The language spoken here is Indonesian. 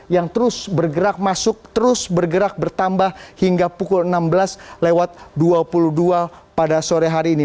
yang terus bergerak masuk terus bergerak bertambah hingga pukul enam belas lewat dua puluh dua pada sore hari ini